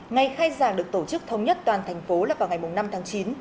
ngày khai giảng được tổ chức thống nhất toàn thành phố là vào ngày năm tháng chín